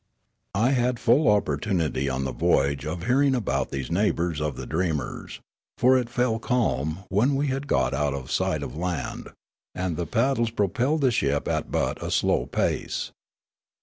I had full opportunity on the voyage of hearing 294 Riallaro about these neighbours of the dreamers; for it fell calm, when we had got out of sight of land, and the paddles propelled the ship at but a slow pace.